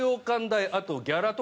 あとギャラとか。